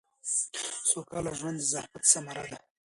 سوکاله ژوند د زحمت ثمره ده